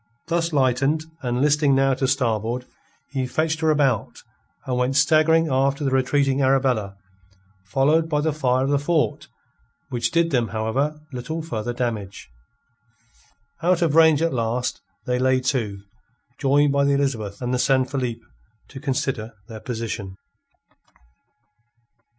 Thus lightened, and listing now to starboard, he fetched her about, and went staggering after the retreating Arabella, followed by the fire of the fort, which did them, however, little further damage. Out of range, at last, they lay to, joined by the Elizabeth and the San Felipe, to consider their position.